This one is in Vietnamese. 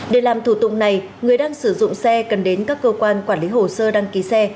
để làm thủ tục này người đang sử dụng xe cần đến các cơ quan quản lý hồ sơ đăng ký xe